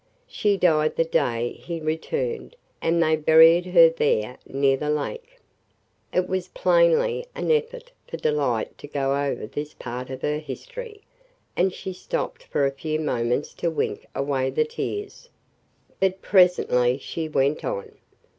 She died the day he returned and they buried her there near the lake. It was plainly an effort for Delight to go over this part of her history, and she stopped for a few moments to wink away the tears. But presently she went on.